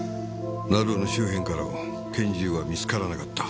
成尾の周辺からも拳銃は見つからなかった。